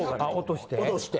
落として？